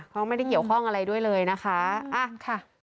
เขาไม่ได้เกี่ยวข้องอะไรด้วยเลยนะคะอ่ะค่ะ